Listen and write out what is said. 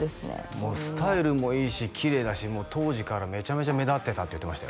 もうスタイルもいいしきれいだし当時からめちゃめちゃ目立ってたって言ってましたよ